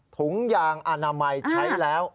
ถุงยางอนามัยใช้แล้ว